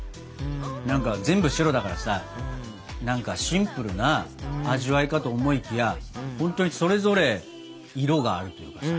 何か全部白だからさシンプルな味わいかと思いきやほんとにそれぞれ色があるというかさ